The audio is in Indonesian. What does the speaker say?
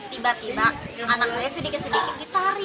tiba tiba anak saya sedikit sedikit ditarik